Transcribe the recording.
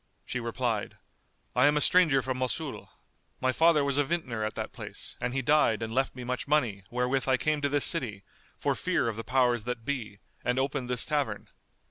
She replied, "I am a stranger from Mosul. My father was a vintner at that place and he died and left me much money wherewith I came to this city, for fear of the powers that be, and opened this tavern.